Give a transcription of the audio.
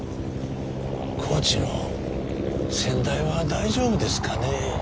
高知の先代は大丈夫ですかね？